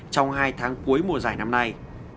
trong hai tháng cuối mùa giải năm nay